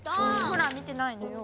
ほら見てないのよ。